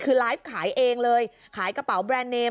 คือไลฟ์ขายเองเลยขายกระเป๋าแบรนด์เนม